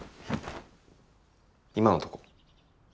今のとこ。